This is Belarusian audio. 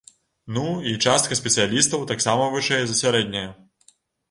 Ну, і частка спецыялістаў таксама вышэй за сярэдняе.